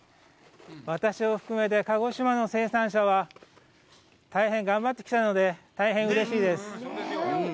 私を含めて鹿児島の生産者は大変頑張ってきたので、大変うれしいです。